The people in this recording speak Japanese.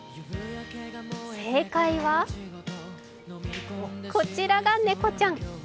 正解はこちらが猫ちゃん。